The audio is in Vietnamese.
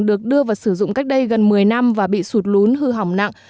được đưa vào sử dụng cách đây gần một mươi năm và bị sụt lún hư hỏng nặng